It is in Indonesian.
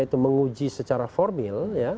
itu menguji secara formil